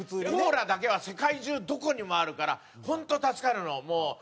コーラだけは世界中どこにもあるから本当助かるのもう。